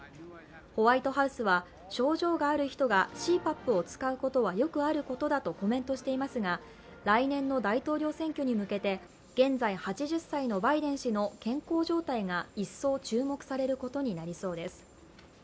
ホワイトハウスは症状がある人がＣＰＡＰを使うことはよくあることだとコメントしていますが、来年の大統領選挙に向けて現在８０歳のバイデン氏の健康状態が一層注目されることになりそうです。